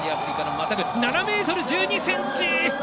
７ｍ１２ｃｍ。